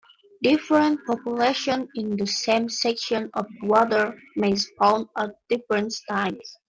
Different populations in the same sections of water may spawn at different times.